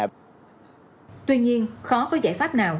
tuy nhiên khó có giải pháp nào